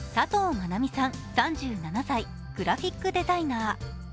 真実さん３７歳、グラフィックデザイナー。